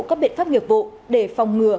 các biện pháp nghiệp vụ để phòng ngừa